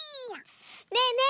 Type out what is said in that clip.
ねえねえ